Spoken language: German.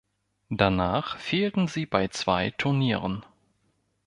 Danach fehlten sie bei zwei Turnieren.